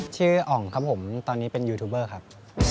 อ๋องครับผมตอนนี้เป็นยูทูบเบอร์ครับ